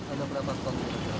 ada berapa ton